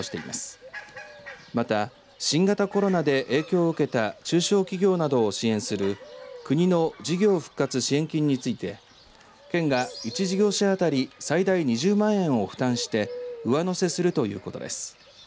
また、新型コロナで影響を受けた中小企業などを支援する国の事業復活支援金について県が１事業者あたり最大２０万円を負担して上乗せするということです。